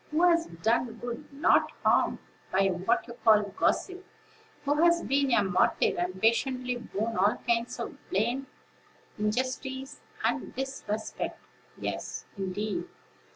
Who has done good, not harm, by what you call 'gossip'? Who has been a martyr, and patiently borne all kinds of blame, injustice, and disrespect? Yes, indeed!